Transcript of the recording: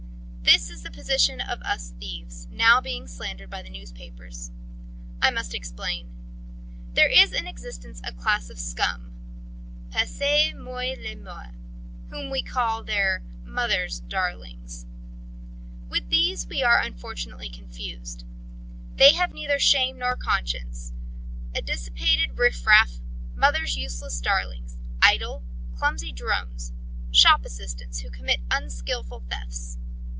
"This is the position of us thieves, now being slandered by the newspapers. I must explain. There is in existence a class of scum passez moi le mot whom we call their 'Mothers' Darlings.' With these we are unfortunately confused. They have neither shame nor conscience, a dissipated riff raff, mothers' useless darlings, idle, clumsy drones, shop assistants who commit unskilful thefts.